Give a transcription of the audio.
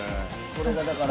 これがだから。